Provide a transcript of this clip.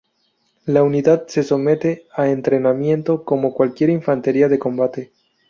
La unidad se somete a entrenamiento como cualquier infantería de combate.